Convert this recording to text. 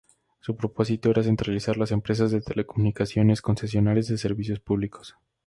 Su propósito era centralizar las empresas de telecomunicaciones concesionarias de servicios públicos.